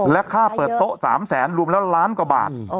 และค่าเปิดโต๊ะ๓แสนรวมแล้วล้านกว่าบาท